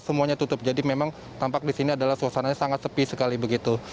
semuanya tutup jadi memang tampak di sini adalah suasananya sangat sepi sekali begitu